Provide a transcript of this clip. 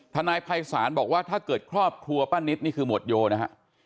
นายภัยศาลบอกว่าถ้าเกิดครอบครัวป้านิตนี่คือหมวดโยนะฮะ